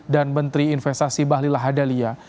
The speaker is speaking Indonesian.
dan menteri investasi bahlila hadalia